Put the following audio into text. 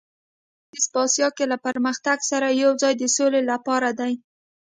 دا وړاندیز په اسیا کې له پرمختګ سره یو ځای د سولې لپاره دی.